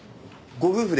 ご夫婦で。